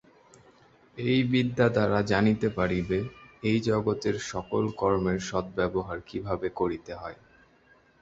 এই বিদ্যা দ্বারা জানিতে পারিবে, এই জগতের সকল কর্মের সদ্ব্যবহার কিভাবে করিতে হয়।